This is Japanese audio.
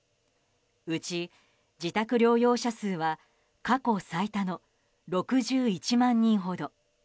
うち自宅療養者数は過去最多の６１万人ほど。